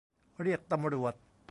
เรียกตำรวจ